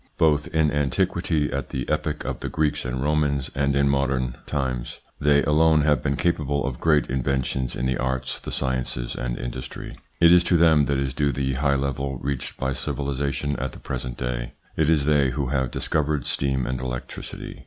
Both in antiquity, at the epoch of the Greeks and Romans, and in modern 28 THE PSYCHOLOGY OF PEOPLES: times they alone have been capable of great inven tions in the arts, the sciences, and industry. It is to them that is due the high level reached by civilisation at the present day. It is they who have discovered steam and electricity.